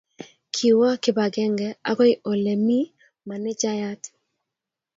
kiwo kibagenge akoi ole mi manejayat